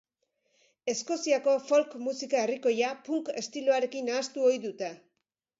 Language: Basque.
Eskoziako folk musika herrikoia punk estiloarekin nahastu ohi dute.